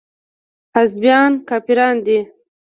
حزبيان کافران دي.